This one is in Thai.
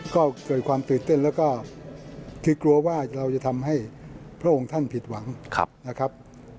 ก็เกิดความตื่นเต้นแล้วก็คือกลัวว่าเราจะทำให้พระองค์ท่านผิดหวังนะครับ